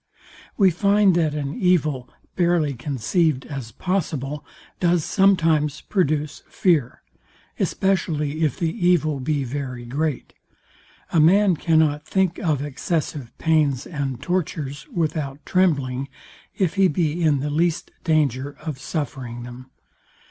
We find that an evil, barely conceived as possible, does sometimes produce fear; especially if the evil be very great. A man cannot think of excessive pains and tortures without trembling, if he be in the least danger of suffering them.